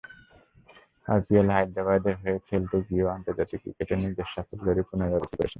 আইপিএলে হায়দরাবাদের হয়ে খেলতে গিয়েও আন্তর্জাতিক ক্রিকেটে নিজের সাফল্যেরই পুনরাবৃত্তি করেছেন।